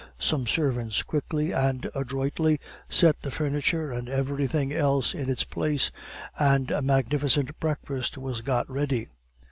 Some servants quickly and adroitly set the furniture and everything else in its place, and a magnificent breakfast was got ready.